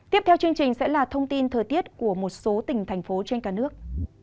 tiếp theo chương trình sẽ là thông tin thời tiết của một số tỉnh thành phố trên cả nước